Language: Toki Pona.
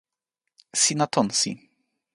sina tonsi.